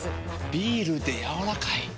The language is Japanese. ビールでやわらかい。